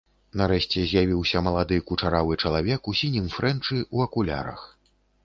Нарэшце з'явіўся малады кучаравы чалавек у сінім фрэнчы, у акулярах.